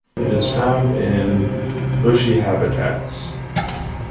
It is found in bushy habitats.